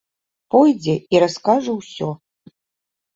Пойдзе і раскажа ўсё.